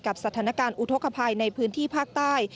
สถานการณ์อุทธกภัยในพื้นที่ภาคใต้